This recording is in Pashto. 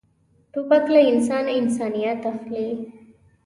توپک له انسان انسانیت اخلي.